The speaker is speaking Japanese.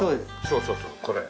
そうそうそうこれ。